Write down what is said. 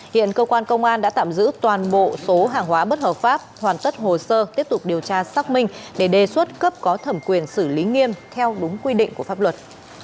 hiện cơ quan công an đã tạm giữ toàn bộ số hàng hóa bất hợp pháp hoàn tất hồ sơ tiếp tục điều tra xác minh để đề xuất cấp có thẩm quyền xử lý nghiêm theo đúng quy định của pháp luật